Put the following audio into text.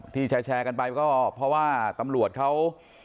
แชร์กันไปก็เพราะว่าตำรวจเขา